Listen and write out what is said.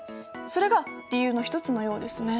それが理由の一つのようですね。